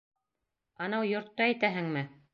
— Анау йортто әйтәһеңме?